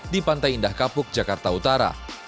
di pantai indah kapuk jakarta utara